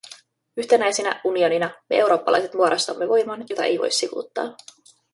Yhtenäisinä, unionina, me eurooppalaiset muodostamme voiman, jota ei voi sivuuttaa.